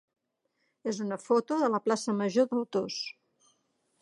és una foto de la plaça major d'Otos.